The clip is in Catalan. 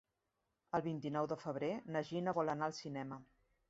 El vint-i-nou de febrer na Gina vol anar al cinema.